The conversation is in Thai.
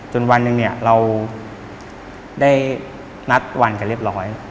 จนวันหนึ่งเราได้นัดวันกันเรียบร้อย